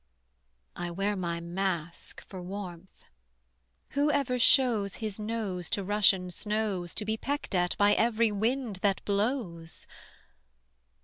I wear my mask for warmth: who ever shows His nose to Russian snows To be pecked at by every wind that blows?